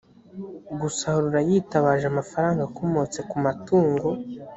gusarura yitabaje amafaranga akomotse ku matungo